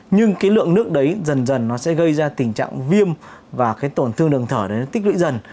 nhưng cái lượng nước đấy dần dần nó sẽ gây ra tình trạng viêm và cái tổn thương đường thở đấy nó tích lũy dần